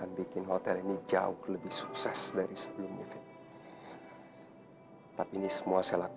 mama tidak bergawah pak